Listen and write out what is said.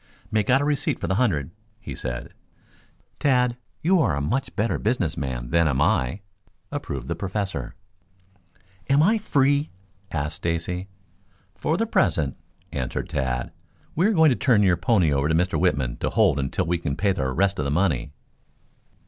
"Make out a receipt for the hundred," he said. "Tad, you are a much better businessman than am I," approved the Professor. "Am I free?" asked Stacy. "For the present," answered Tad. "We are going to turn your pony over to Mr. Whitman to hold until we can pay the rest of the money."